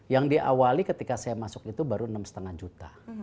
yang diawali ketika saya masuk itu baru enam lima juta